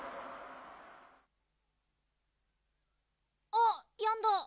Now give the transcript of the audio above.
あっやんだ。